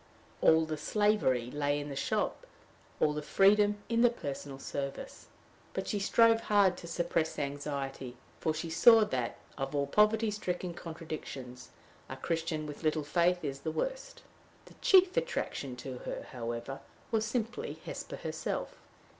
All the slavery lay in the shop, all the freedom in the personal service. But she strove hard to suppress anxiety, for she saw that, of all poverty stricken contradictions, a Christian with little faith is the worst. The chief attraction to her, however, was simply Hesper herself.